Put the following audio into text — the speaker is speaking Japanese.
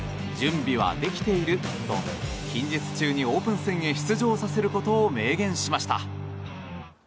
準備はできていると近日中にオープン戦へ出場させることを明言しました。